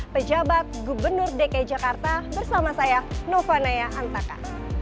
pejabat gubernur dki jakarta bersama saya nova naya antaka